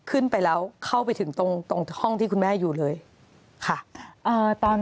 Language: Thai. ขึ้นไปแล้วเข้าไปถึงตรงห้องที่คุณแม่อยู่เลยค่ะ